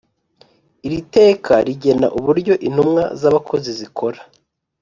Iri teka rigena uburyo intumwa z abakozi zikora